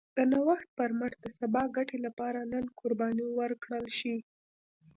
د نوښت پر مټ د سبا ګټې لپاره نن قرباني ورکړل شي.